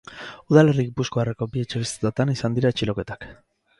Udalerri gipuzkoarreko bi etxebizitzatan izan dira atxiloketak.